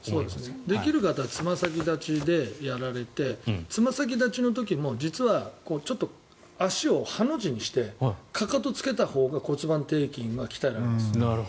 できる方はつま先立ちでやられてつま先立ちの時も実は足をハの字にしてかかとをつけたほうが骨盤底筋は鍛えられます。